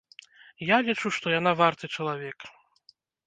Я лічу, што яна варты чалавек.